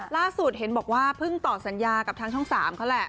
ล่าสุดเห็นบอกว่าเพิ่งต่อสัญญากับทางช่อง๓เขาแหละ